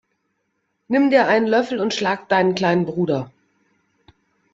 Nimm dir einen Löffel und schlag deinen kleinen Bruder!